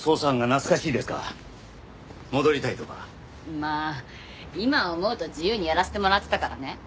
まあ今思うと自由にやらせてもらってたからね。